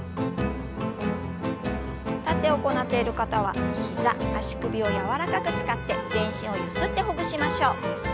立って行っている方は膝足首を柔らかく使って全身をゆすってほぐしましょう。